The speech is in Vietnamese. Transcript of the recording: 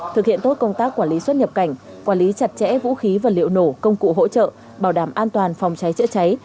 thực hiện tốt công tác quản lý xuất nhập cảnh quản lý chặt chẽ vũ khí và liệu nổ công cụ hỗ trợ bảo đảm an toàn phòng cháy chữa cháy